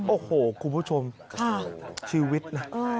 โอ้โหคุณผู้ชมชีวิตนะ